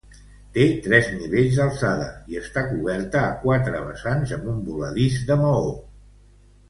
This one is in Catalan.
Té tres nivells d'alçada i està coberta a quatre vessants amb un voladís de maó.